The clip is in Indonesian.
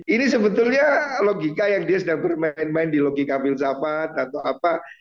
ini sebetulnya logika yang dia sedang bermain main di logika filsafat atau apa